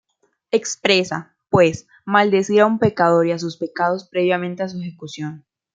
Expresa, pues, maldecir a un pecador y a sus pecados previamente a su ejecución.